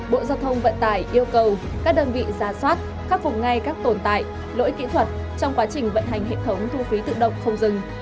bộ giao thông vận tải yêu cầu các đơn vị ra soát khắc phục ngay các tồn tại lỗi kỹ thuật trong quá trình vận hành hệ thống thu phí tự động không dừng